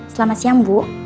selamat siang bu